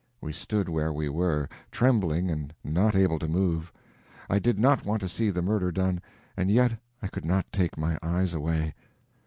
We stood where we were, trembling and not able to move. I did not want to see the murder done, and yet I could not take my eyes away.